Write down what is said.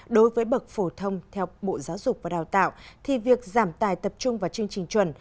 đối với bậc phổ thông theo bộ giáo dục và đào tạo thì việc giảm tài tập trung vào chương trình chuẩn